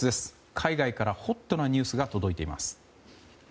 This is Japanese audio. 海外から、ホットなニュースが届いています。